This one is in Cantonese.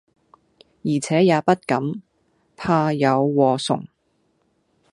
而且也不敢，怕有禍祟。